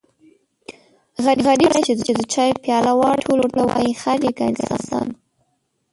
غریب سړی چې د چایو پیاله واړوي ټول ورته وایي خر يې که انسان.